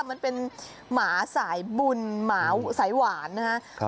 มันเป็นหมาสายบุญหมาสายหวานนะครับ